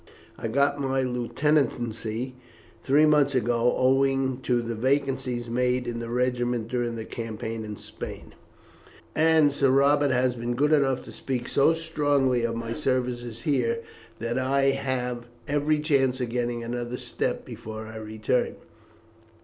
I got my lieutenantcy three months ago owing to the vacancies made in the regiment during the campaign in Spain; and Sir Robert has been good enough to speak so strongly of my services here that I have every chance of getting another step before I return."